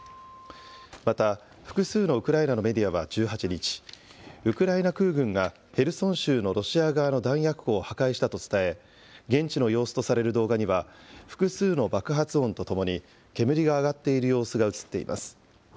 また、複数のウクライナのメディアは１８日、ウクライナ空軍がヘルソン州のロシア側の弾薬庫を破壊したと伝え、現地の様子とされる動画には、複数の爆発音とともに、煙が上がっている様子が写っています。